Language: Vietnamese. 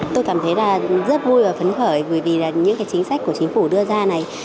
tôi cảm thấy rất vui và phấn khởi vì những chính sách của chính phủ đưa ra này